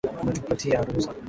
Umetupatia ruhusa